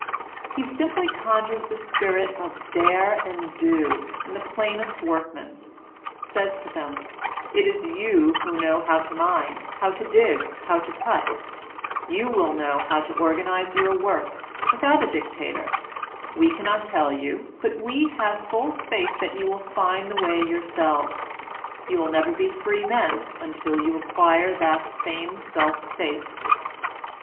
He simply conjures the spirit of Dare and Do in the plainest workmen — says to them : "It is you who know how to mine, how to dig, how to cut; you will know how to organize your work without a dictator ; we cannot tell you, but we have full faith that you will find the way yourselves. You will never be free men until ]rou acquire that same self faith."